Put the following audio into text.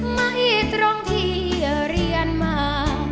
ไม่ตรงที่เรียนมา